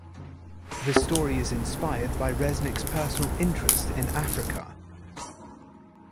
The story is inspired by Resnick's personal interest in Africa.